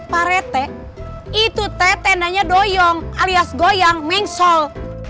parete itu teh tendanya doyong alias goyang mengsol